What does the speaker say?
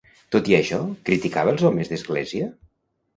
Tot i això, criticava els homes d'Església?